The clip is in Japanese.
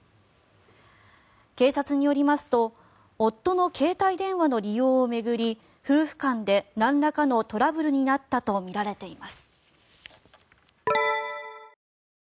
警察によりますと夫の携帯電話の利用を巡り夫婦間でなんらかのトラブルになったとみられています。